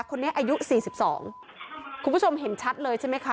อายุสี่สิบสองคุณผู้ชมเห็นชัดเลยใช่ไหมคะ